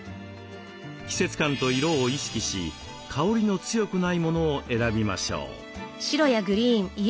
季節感と色を意識し香りの強くないものを選びましょう。